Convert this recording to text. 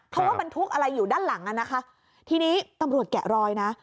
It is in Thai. เพราะว่าบรรทุกอะไรอยู่ด้านหลังอ่ะนะคะทีนี้ตำรวจแกะรอยนะ